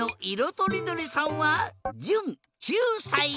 とりどりさんはじゅん９さい。